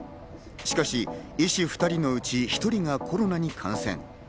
しかし、医師２人のうち１人がコロナに感染。